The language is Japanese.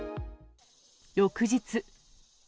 翌日。